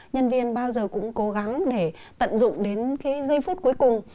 nhân viên bao giờ cũng cố gắng để tận dụng đến cái giây phút cuối cùng